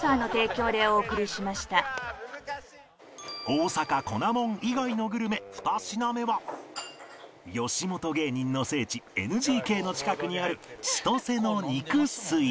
大阪粉モン以外のグルメ２品目は吉本芸人の聖地 ＮＧＫ の近くにある千とせの肉吸い